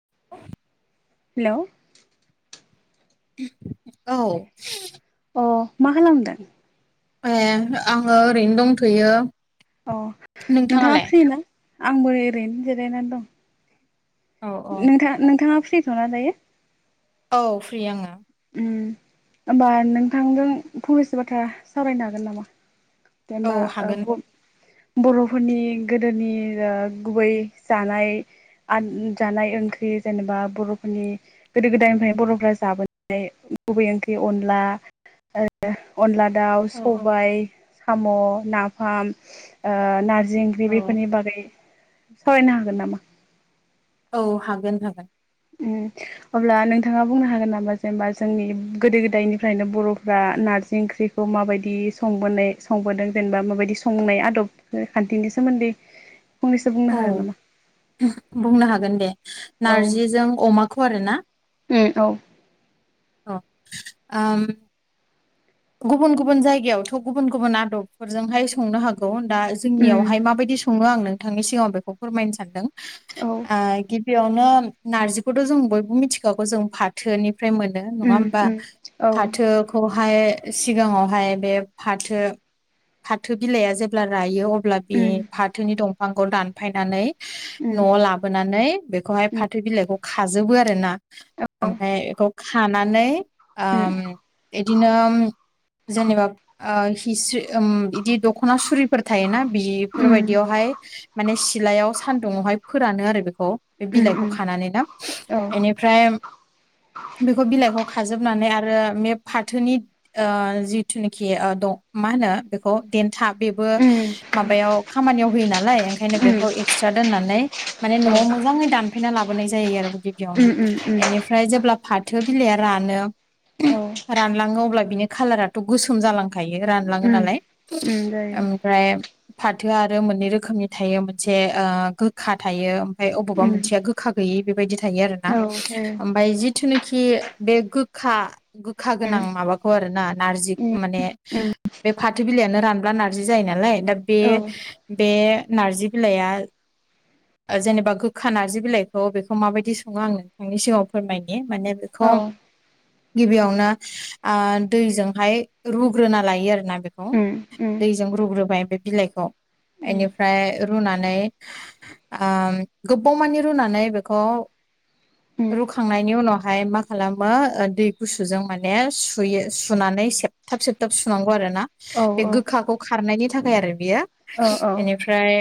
[inaudible] Hello. औ। अ मा खालामदों? ए आङो ओरैनो दंथ'यो। अ नोंथाङा नोंथाङालाय? फ्रि ना आंबो ओरैनो जिरायनानै दं। औ औ नोंथां नोंथाङा फ्रिथ'ना दायो? औ फ्रि आङो। उम होमबा नोंथांजों फंनैसो बाथ्रा सावरायनो हागोन नामा? औ जेनेबा ओ हागोन बुम बर'फोरनि गोदोनि ओ गुबै जानाय आन जानाय ओंख्रि जेनेबा बर'फोरनि गोदो गोदायनिफ्राय बर'फ्रा जाबोनाय गुबै ओंख्रि अनला ओ अनला दाउ औ औ सबाय साम' नाफाम ओ नारजि जि ओंख्रि औ बेफोरनि बागै सावरायनो हागोन नामा? औ हागोन हागोन। उम अब्ला नोंथाङा बुंनो हागोन नामा? जेनबा जोंनि गोदो गोदायनिफ्रायनो बर'फ्रा ना नारजि ओंख्रिखौ माबायदि संबोनाय संबोदों जेनेबा माबायदि संनाय आदब खान्थिनि सोमोन्दै दै फंनैसो औ बुंनो हागोन नामा? बुंनो हागोन दे औ नारजिजों अमाखौ आरो ना? उम औ। औ आम गुबुन गुबुन जायगायावथ' गुबुन गुबुन आदबफोरजोंहाय संनो हागौ। दा उम जोंनियावहाय माबायदि सङो आं नोंथांनि सिगाङाव बेखौ फोरमायनो सानदों औ आ गिबि गिबियावनो नारजिखौथ' जों बयबो मिथिखागौ जों फाथोनि फ्राय मोनो नङा उम होमबा उम औ फाथोखौहाय सिगाङावहाय बे फाथो फाथो बिलाइआ जेब्ला रायो अब ब्ला बे उम फाथोनि दंफांखौ दानफायनानै उम उम न'आव लाबो नानै बेखौहाय फाथो बिलाइखौ खाजोबो आरोना औ ओमफ्राय एखौ खा खानानै उम आम इदिनो जेनेबा ओ हिस्रि ओम इदि दखना सुरिफोर थायोना उम बिफोरबायदियावहाय माने सिलायाव सानदुङावहाय हाय फोरानो आरो बेखौ बे बिलाइखौ उम खानानै ना औ उम औ उम एनिफ्राय बेखौ बिलाइखौ खाजोबनानै आरो बे फाथोनि ओ जिथुनाखि ओ दग मा होनो बेखौ देन था बेबो माबायाव खामानियाव होयो नालाय ओंखायनो बेखौ एक्सट्रा दोननानै माने न'आव मोजाङै दानफैना लाबोनाय जायो आरो गिबियावनो उम एनिफ्राय जेब्ला फाथो बिलाइआ रानो औ रानलाङो अब्ला बिनि खालाराथ' गोसोम जालांखायो रानलाङो उम नालाय उम जायो ओमफ्राय फाथोआ आरो मोननै रोखोमनि थायो मोनसे ओ गोखा थायो ओमफफ्राय अबावबा उम मोनसेया गोखा गै यि बेबायदि थायो आरोना औ जायो ओबाय जिथु नाखि बे गोखा गोखा गोनां उम माबा खौ आरो ना नारजि खौ उम माने उम बे फाथो बिलाइयानो रानब्ला नारजि जायो नालाय दा बे औ बे नारजि बिलाइया ओ जेनेबा गोखा नारजि बिलाइखौ बेखौ माबायदि सङो आं नोंथांनि सिगाङाव फोरमायनो ए माने बेखौ औ गिबियावनो ओ दैजोंहाय रुग्रोना लायो आरोना बेखौ उम उम दैजों रुग्रो बाय बे बिलाइखौ उम एनिफ्राय रुनानै ओ गोबावमानि रुनानै बेखौ उम रुखांनायनि उनावहाय मा खालामो ओ दै गुसुजों माने सु- यो सुनानै सेबथाब सेबथाब सुनांगौ आरो ना औ बे औ गोखाखौ खारनायनि थाखाय आरो बियो औ औ एनिफ्राय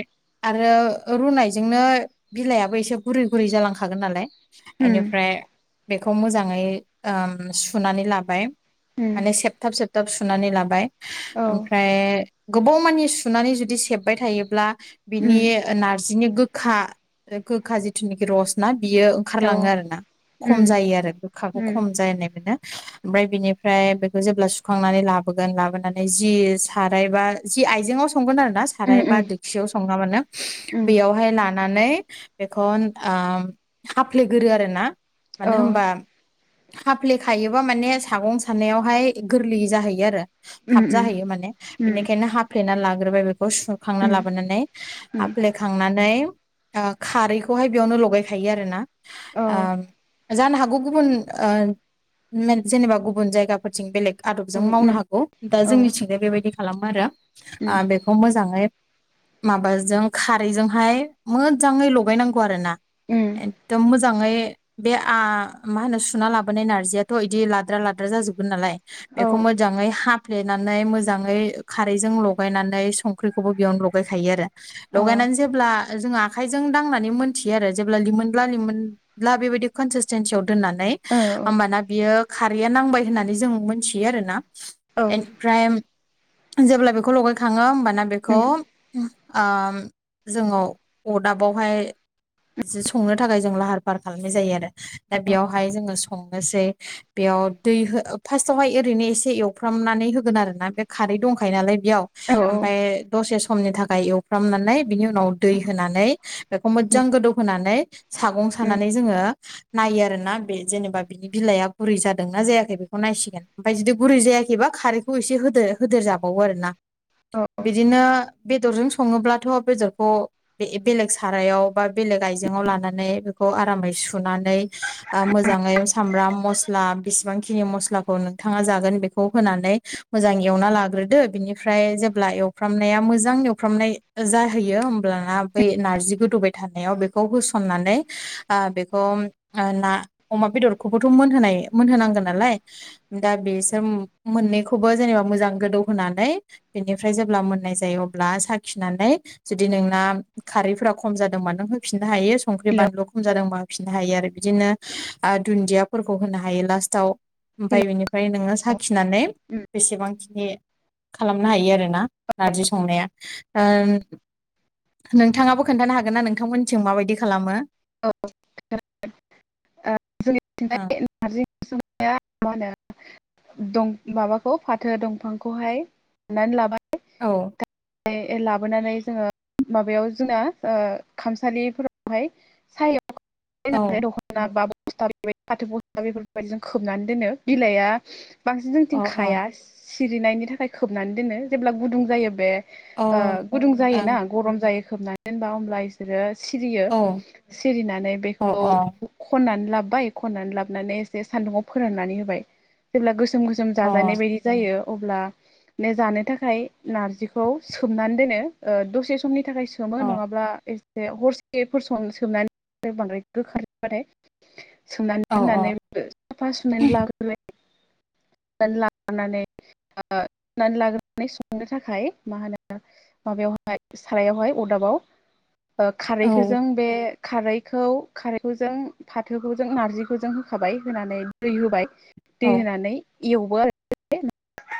आरो रुनायजोंनो बिलाइाबो एसे गुरै गुरै जालांखागोन नालाय उम एनिफ्राय बेखौ मोजाङै ओम सुनानै लाबाय उम माने सेबथाब सेबथाब सुनानै लाबाय औ ओमफ्राय गोबाव मानानि सुनानै जुदि सेबबाय थायोब्ला बिनि उम नारज जिनि गोखा गोखा जिथुनाखि रसना बियो औ ओंखारलाङो आरोना खम उम जायो आरो गोखाखौ उम खम जानाय मोनो ओमफ्राय बिनि फ्राय बेखौ जेब्ला सुखांनानै लाबोगोन लाबोनानै जि साराय बा जि आइजेंआव संगोन आरो ना उम औ उम साराय बा दिखसियाव सं मानो उम बेयावहाय लानानै बेखौ ओ हाफ्ले गोरो आरोना मानो औ होमबा हाफ्ले खायोबा माने सागं सानायावहाय गोरलैयै जाहैयो आरो उम थाब उम जाहैयो माने औ बेनिखायनो हाफ्लेना ला ग्रोबाय बेखौ सुखांना उम लाबोनानै औ हफ्लेखांनानै ओ खारैखौहाय बेयावनो लगायखायो आरो ना अ औ उम औ ओ जानो हागौ गुबुन ओ जेनेबा गुब बुन जायगाफोरथिं बेलेग आदबजों उम मावनो उम हागौ दा औ जोंनिथिंजाय बेबायदि खालामो आरो ओ बेखौ मोजाङै माबाजों खारैजोंहाय मोजाङै लगायनांगौ आरो ना एखदम मोजाङै बे आ मा होनो सुना लाबोनाय नारजियाथ' बिदि लाद्रा ला द्रा जाजोबगोन नालाय बेखौ मोजांयै हा फ्लेनानै मोजांयै खारैजों लगायनानै संख्रिखौबो बेयावनो लगायखायो आरो लगायना नै जेब्ला जों आखाइजों दांनानै मोनथियो आरो जेब्ला लिमोनल्ला लिमोनल्ला बेबायदि कनसिसटेन ज' दोननानै ओमबाना बियो खारै बियो नांबाय होननै जों मिनथियो आरोना एमफ्रय जेब्ला बेखौ लगायखाङो होमबाना बेखौ ओ जोङो अदाबावहाय जि संनो थाखाय जों लाहार फाहार खालामनाय जायो आरो दा बेयावहाय जोङो संनोसै बेयाव दै हो फार्स्टावहाय ओरैनो एसे एवफ्रामनानै होगोन आरो ना बे खारै दंखायो नालाय बेयाव ओमफाय दसे समनि थाखाय एवफ्रामनानै बिनि उनाव दै होनानै बेखौ मोजां गोदौ होनोनानै सागं सनानै जोङो नायो आरोना बे जेनेबा बिनि बिलाइआ गुरै जादोंना जायाखै बेखौ नायसिगोन ओमफ्राय जुदि गुरै जायाखैबा खारैखौ एसे होदो होदेर जाबावो आरो ना बिदिनो बेदरजों सङोब्लाथ' बेदरखौ बे बेलेग सारायाव बा बेलेग आइजेंआव लानानै बेखौ आरामै सुनानै आ मोजाङै सामब्राम मस मस्ला बिसिबांखिनि मस्लाखौ नोंथाङा जागोन बेखौ होनानै मोजां एवना लाग्रोदो बिनिफ्राय ओमफ्राय जेब्ला एवफ्रामनाया मोजां एवफ्रामनाय जाहैयो होमब्ला बै नारजि गोदौबाय थानाय याव बेखौ होसननानै आ बेखौ ना अमा बेदरखौबोथ मोनहोनाय मोनहोनांगोन नालाय दा बिसोर मोननैखौबो जेनेबा मोजां गोदौ होनानै बेनिफ्राय जेब्ला मोननाय जायो अब्ला साखिनानै जुदि नोंना खारैफोरा खम जादोंमोन होफिननो हायो संख्रि हेलौ बानलु खम जादोंबा होफिननो हायो आरो बिदिनो दुन्दियाफोरखौ होनो हायो हायो लास्टाव ओमफ्राय हेलौ बिनिफ्राय नोङो साखिनानै उम बेसेबांखिनि खालामनो हायो आरोना नारजि संनाया नोंथाङाबो खोन्थानो हागोन ना नोंथांमोननिसिम माबायदि खालामो [inaudible] [unintelligible] दं माबाखौ फाथो दंफांखौहाय दाननानै लाबाय औ फाय लाबोनानै जोङो माबायाव जोंना खामसालिफोरावहाय औ सायाव दखना बा फस्थाबेबायदि फाथो बस्था बेफोरबायदि जों खोबनानै दोनो बिलाइआ बांसिन अ जोंथिं खाया अ सिरिनायनि थाखाय खोबनानै दोनो जेब्ला गुदुं जायो बे ओ गुदुं अ जायो ना गरम जायो खोबनानै दोनबा होमब्ला बिसोरो सिरियो ओं सिरिनानै औ बेखौ अ खननानै लाबाय खनानै लाबनानैसे सान्दुंआव फोराननानै होबाय जेब्ला गोसोम गोसोम अ जाजानाय बायदि जायो अब्ला नों जानो थाखाय नारजिखौ खौ सोमनानै दोनो दसे समनि थाखाय सोमो अ नङाब्ला हरसेफोरसो सम सोमनानै बांद्राय गोखाथार जाबाथाय सोंमनानै औ दोननानै साफा सुनानै लाग्रोबाय नानै लाग्रोनानै ओ सुनानै लाग्रोनानै संनो थाखाय मा होनो माबायावहाय सारायावहाय अरदाबाव औ खारैखो जों बे खारैखौ खारैखौ जों फाथोखौ जों नार्जिखौ जों होखाबाय होनानै दै होबाय औ दै होनानै एवबो आरो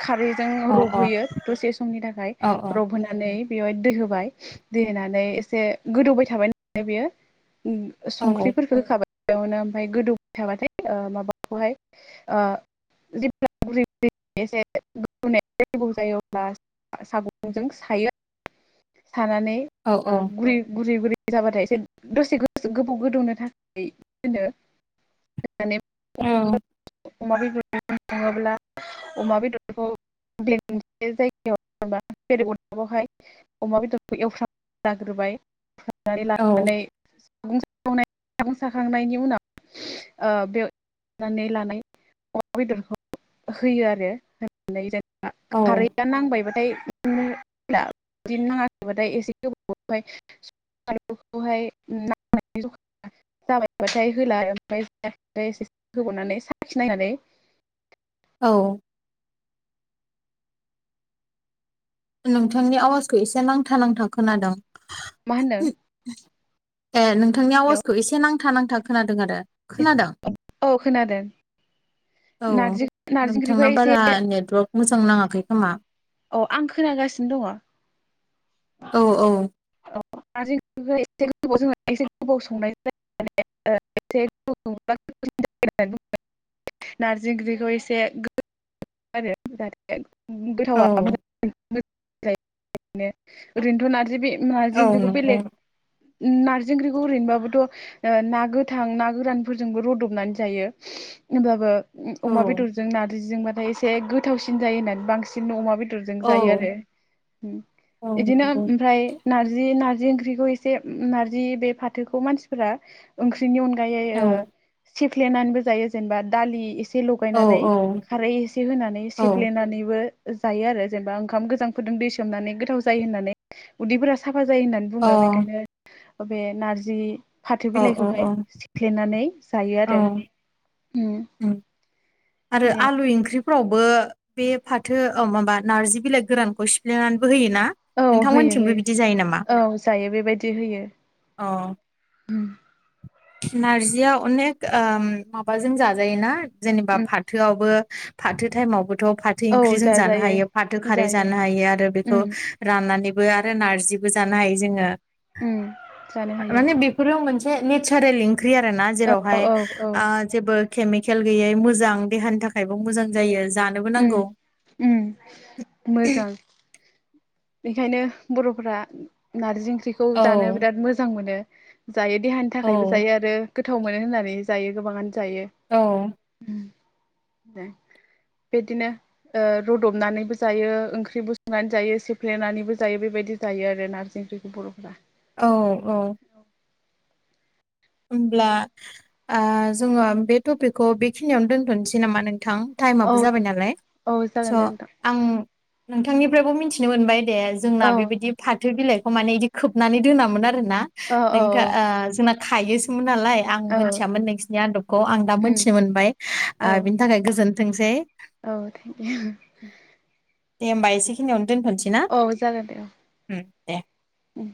खारै जों औ रबहोयो दसे समनि थाखाय औ रबहोनानै बेवाय दै होबाय दै होनानै एसे गोदौबाय थाबाय होननानै बेयो संख्रिफोरफोरखो होखाबाय बेयावनो ओमफ्राय गोदौबाय थाबाथाय माबाखौहाय ओ [unintelligible] [unintelligible] सानानै औ गुरै गुरै गुरै जाबाथाय एसे दसे गोबाव गोदौनो थाखाय दोनो औ अमा बेदर सङोब्ला अमा बेदरखौ बे मोनसे जायगायाव जेनबा बेलेग अदाबावहाय अमा बेदरखौ एवफ्राम जाग्रोबाय जाग्रोनानै औ लानानै [unintelligible] अमा बेदरखौ होयो आरो होननानै जेनबा खारैआ नांबायबाथाय माने [unintelligible] [unintelligible] जाबायबाथाय होला आरो ओमफ्राय इसे होबावनानै साखि नायनानै औ नोंथांनि आवाजखौ एसे नांथा नांथा खोनादों मा होन्दों? ए नोंथांनि आवाजखौ एसे नांथा नांथा खोनादों आरो । औ खोनादो । औ नोंथाना बारा एसे नेटवार्क मोजां नाङाखै खोमा । अ आं खोनागासिनो दङ । औ औ । [unintelligible] [unintelligible] नारजि ओंख्रि एसे [unintelligible] [unintelligible] औ ओरैनोथ' नारजिबे नारजि औ ओंख्रिखौ नंगौ बेलेग नारजि ओंख्रिखौ ओरैनोबाबोथ' ना गोथां ना गोरानफोरजोंबो रदबनानै जायो । होमबाबो अमा औ बेदरजों नारजिजोंबाथाय एसे गोथावसिन जायो होननानै बांसिन अमा बे थ्रुजों औ जायो आरो औ नंगौ बिदिनोफ ओमफ्राय नारजि नात जि ओंख्रिखौ एसे नारजि बे फाथोखौ मानसिफोरा ओंख्रिनि अनगायै ओ सेफ्लेनानैबो जायो जेनेबा दालि एसे औ लगायनानै खारै एसे होनानै औ सेफ्लेनानैबो ओ जायो आरो जेनेबा ओंखाम गोजां फोदों दै सोमनानै गोथाव जायोहोननानै उदैफोरा सा फा जायो होननानै अ बुङो मेनथायखोद ओबे नारजि फाथो औ बिलाइखौहाय औ सिख्लेनानै जायो औ आरो । उम हो । आरो आलु ओंख्रिफ्रावबो बे फाथो ओ माबा नारजि बिलाइ गोरानखौ सिफ्लेनान बो होयोना औ होयो नोंथांमोननिथिमबो होयो बिदि जायो नामा? औ जायो बेबायदि होयो अ । [unintelligible] नारजिया अनेक ओम माबाजों जाजायोना जेनेबा उम फाथोआवबो फाथो थायमाव बोद थ फाथो औ ओंख्रि जों जानो जाजायो हायो फाथो खारै जायो जानो हायो आरो बेखौ उम राननानै बो आरो नारजिबो जानो हायो जोंयो उम जानो हायो माने बेफोरो मोस हे नेचारेल ओंख्रि आरो ना औ जेरावहाय औ औ आ जेबो केमिकेल गैयै मोजां ओं देहानि थाखायबो मोजां जायो । उ उ मोजां । बेखायनो बर'फ्रा नारजि ओंख्रिखौ जानो औ बिराद मोजां मोनो । जायो देहानि थाखायबो औ जायो आरो गोथाव मोनो होननानै जायो गोबाङानो जायो औ । दे बेदिनो ओ रुदबनानैबो जायो ओंख्रि बुसंनानै जायो सेफ्लेनानैबो जायो बेबायदि जाय थायो आरो नारजि ओंख्रिखौ बर'फ्रा औ औ । होमब्ला आं जोङो बे टपिकखौ बेखिनियावनो दोनथ'नोसै नामा नों थां औ टाइमाबबो जाबाय नालाय औ स' जागोन दे नोंथां आं नोंथांनिफ्रायबो मिथिनो मोनबाय दे जोंना औ बेबायदि फाथो बिलाइखौ माने बिदि खोबनानै दोनामोन आरोन ना औ औ नोंथा ओ जोंना खायो सिन मु नालाय आं औ मोनथियामोन नोंसिनि आदबखौ आं दा उम मोनथिनो मोनबाय औ बिनि थाखाय गोजोन थोंसै औ थेंक य दे होमबा एसेखिनियावनो दोनथ'नोसै ना जागोन दे औ उम दे । उम